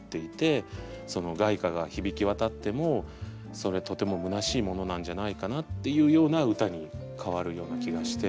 凱歌が響き渡ってもそれとてもむなしいものなんじゃないかなっていうような歌に変わるような気がして。